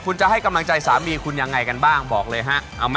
คุณจะให้กำลังใจสามีคุณยังไงกันบ้างบอกเลยฮะ